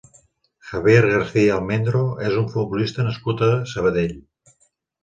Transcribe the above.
Javier Garcia Almendro és un futbolista nascut a Sabadell.